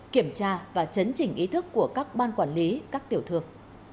kiểm tra và chấn chỉnh ý thức của các ban quản lý các tiểu thương